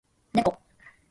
猫